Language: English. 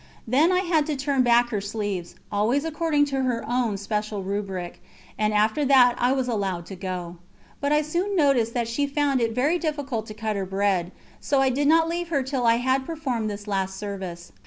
Then I had to turn back her sleeves, always according to her own special rubric, and after that I was allowed to go. But I soon noticed that she found it very difficult to cut her bread, so I did not leave her till I had performed this last service.